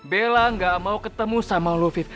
bella gak mau ketemu sama lo viv